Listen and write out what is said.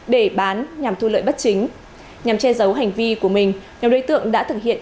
để bán nhằm thu lợi bất chính nhằm che giấu hành vi của mình nhóm đối tượng đã thực hiện